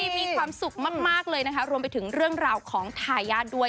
มีความสุขมากเลยนะคะรวมไปถึงเรื่องราวของทายาทด้วย